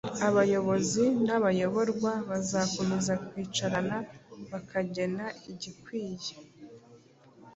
bayobozi n’abayoborwa bazakomeza kwicarana bakagena igikwiye.